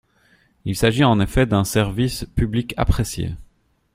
Il s’agit en effet d’un service public apprécié.